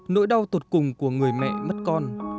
nỗi đau tột cùng của người mẹ mất con